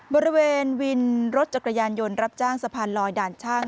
บริเวณวินรถจักรยานยนต์รับจ้างสะพานลอยด่านช่าง